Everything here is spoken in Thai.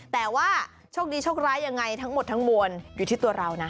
แต่ว่าโชคดีโชคร้ายยังไงทั้งหมดทั้งมวลอยู่ที่ตัวเรานะ